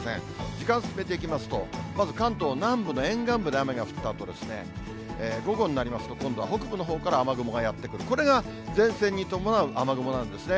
時間進めていきますと、まず関東南部の沿岸部で雨が降ったあと、午後になりますと、今度は北部のほうから雨雲がやって来る、これが前線に伴う雨雲なんですね。